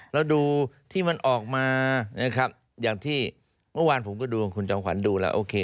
แล้วดูที่มันออกมาอย่างที่เมื่อวานผมก็ดูคุณจังขวัญดูแล้วโอเค